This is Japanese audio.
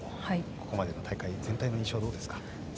ここまでの大会全体の印象はどうですか？